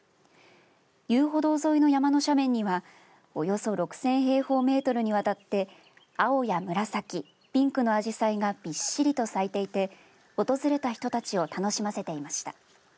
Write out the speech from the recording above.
遊歩道沿いの山の斜面にはおよそ６０００平方メートルにわたって青や紫ピンクのアジサイがびっしりと咲いていて訪れた人たちを楽しませていました。